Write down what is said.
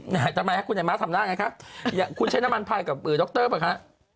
ทำไมครับคุณการแซนวิชมาทำหน้าไงคะคุณใช้น้ำมันพลายกับเด็กเตอร์ป่ะคะ